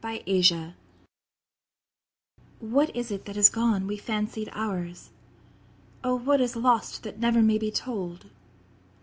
ÆOLIAN HARP What is it that is gone, we fancied ours? Oh what is lost that never may be told?